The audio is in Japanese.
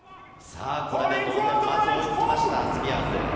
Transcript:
これで同点、追いつきました、スピアーズ。